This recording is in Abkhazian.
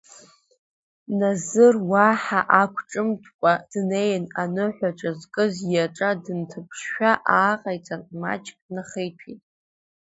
Назыр уаҳа ақәҿымҭкәа днеин, аныҳәаҿа зкыз иаҿа дынҭаԥшшәа ааҟаиҵан, маҷк нахеиҭәеит.